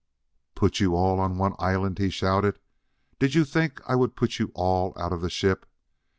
"Put you all on one island?" he shouted. "Did you think I would put you all out of the ship?